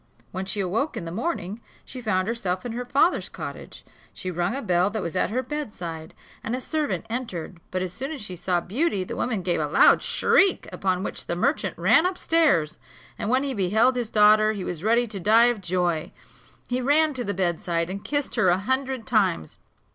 When she awoke in the morning, she found herself in her father's cottage. She rung a bell that was at her bedside, and a servant entered; but as soon as she saw Beauty, the woman gave a loud shriek; upon which the merchant ran up stairs, and when he beheld his daughter he was ready to die of joy. He ran to the bedside, and kissed her a hundred times.